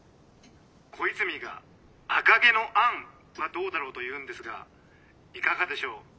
☎小泉が「赤毛のアン」はどうだろうと言うんですがいかがでしょう？